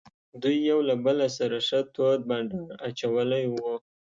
دوی یو له بل سره ښه تود بانډار اچولی وو.